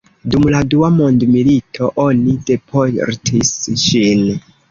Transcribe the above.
Dum la dua mondmilito oni deportis ŝin.